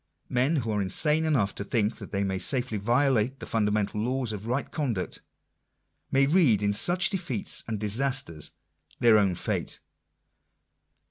Men who are insane enough to think that they may safely violate the fun damental laws of right conduct, may read in such defeats and disasters their own fate.